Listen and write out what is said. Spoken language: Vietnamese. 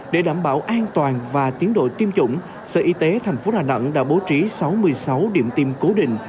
để đảm bảo an toàn và tiến đội tiêm chủng sở y tế thành phố đà nẵng đã bố trí sáu mươi sáu điểm tiêm cố định